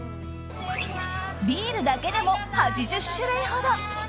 ビールだけでも８０種類ほど。